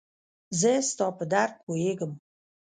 زه ستا په درد پوهيږم